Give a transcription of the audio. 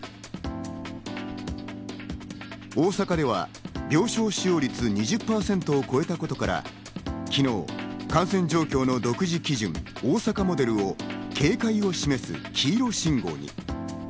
大阪では、病床使用率２０％を超えたことから、昨日、感染状況の独自基準、大阪モデルを警戒を示す黄色信号に。